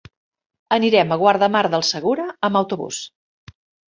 Anirem a Guardamar del Segura amb autobús.